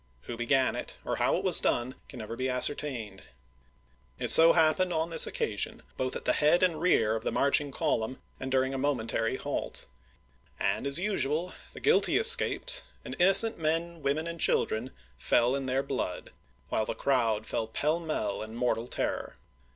Who began it, or how it was done, can never be ascertained. It so happened on this occasion, both at the head and MISSOUKI 215 rear of ttie marching column and during a moment chap. xi. ary halt; and, as usual, the guilty escaped, and innocent men, women, and children fell in their blood, while the crowd fled pell mell in mortal terror.